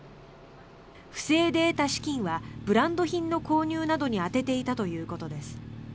不正で得た資金はブランド品の購入などに充てていたということです。